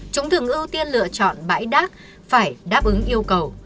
chúng thường ưu tiên lựa chọn bãi đác phải đáp ứng yêu cầu